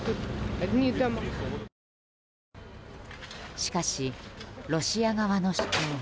しかし、ロシア側の主張は。